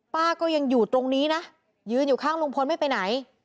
ป้าก็ยังอยู่ตรงนี้นะยืนอยู่ข้างลุงพลไม่ไปไหน